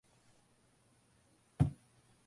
உனக்கு நிம்மதிதான் கிடைக்குமா?